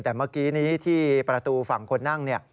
แต่เมื่อกี้นี้ที่ประตูฝั่งคนนั่ง